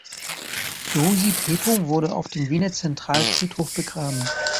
Josie Petru wurde auf dem Wiener Zentralfriedhof begraben.